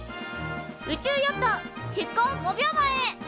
宇宙ヨット出港５秒前。